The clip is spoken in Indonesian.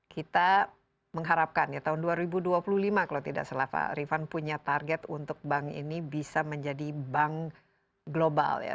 kita mengharapkan ya tahun dua ribu dua puluh lima kalau tidak salah pak rifan punya target untuk bank ini bisa menjadi bank global ya